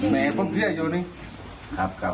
แม่พวกเฮียอยู่นี่